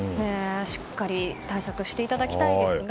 しっかり対策していただきたいですが。